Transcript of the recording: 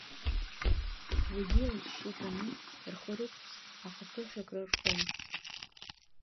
Зегьы еилашьшьы итәаны, рхы рықәыԥс, ахаԥыҳәа акрырфон.